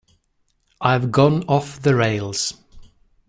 I've gone off the rails.